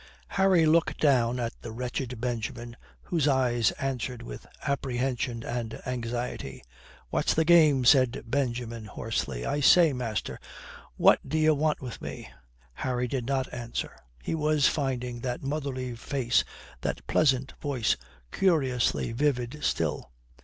Harry looked down at the wretched Benjamin, whose eyes answered with apprehension and anxiety. "What's the game?" said Benjamin hoarsely. "I say, master what d'ye want with me?" Harry did not answer. He was finding that motherly face, that pleasant voice, curiously vivid still.